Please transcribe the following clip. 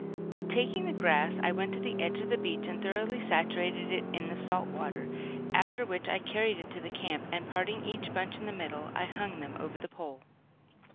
Taking the grass I went to the edge of the beach and thoroughly saturated it in the salt water after which I carried it to the camp, and parting each bunch in the middle, I hung them over the pole.